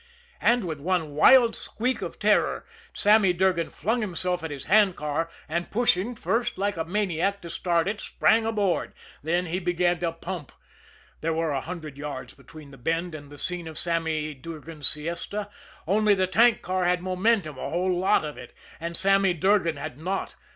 And with one wild squeak of terror Sammy Durgan flung himself at his handcar, and, pushing first like a maniac to start it, sprang aboard. Then he began to pump. There were a hundred yards between the bend and the scene of Sammy Durgan's siesta only the tank car had momentum, a whole lot of it, and Sammy Durgan had not.